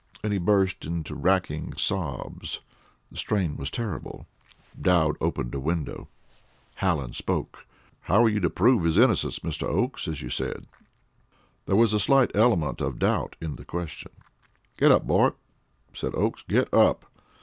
_" and he burst into racking sobs. The strain was terrible. Dowd opened a window. Hallen spoke. "How are you to prove his innocence, Mr. Oakes, as you said?" There was a slight element of doubt in the question. "Get up, boy," said Oakes; "get up."